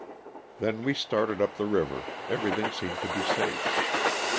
Then we started up the river, everything seeming to be safe.